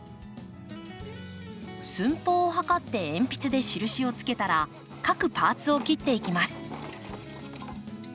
寸法を測って鉛筆で印をつけたら各パ―ツを切っていきます。